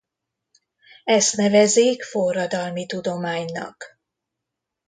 Ezt nevezik forradalmi tudománynak.